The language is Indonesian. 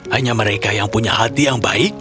hanya mereka yang punya hati yang baik